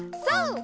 そう！